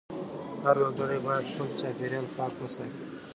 هر وګړی باید خپل چاپېریال پاک وساتي.